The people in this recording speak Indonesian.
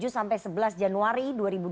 tujuh sampai sebelas januari dua ribu dua puluh